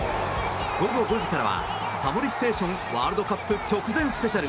午後５時からは「タモリステーションワールドカップ直前ＳＰ」。